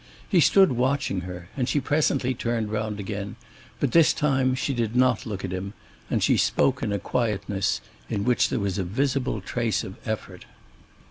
He stood watching her, and she presently turned round again, but this time she did not look at him, and she spoke in a quietness in which there was a visible trace of effort.